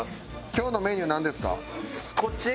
今日のメニューなんですか？